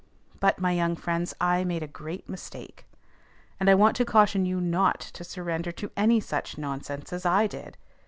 But, my young friends, I made a great mistake; and I want to caution you not to surrender to any such nonsense as I did.